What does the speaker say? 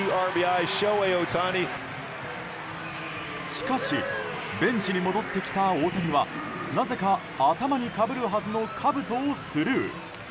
しかしベンチに戻ってきた大谷はなぜか頭にかぶるはずのかぶとをスルー。